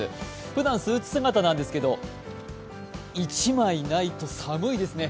ふだん、スーツ姿なんですけど１枚ないと寒いですね。